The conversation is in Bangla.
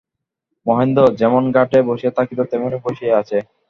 মহেন্দ্র যেমন ঘাটে বসিয়া থাকিত, তেমনি বসিয়া আছে।